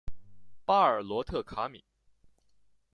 巴尔罗特卡米。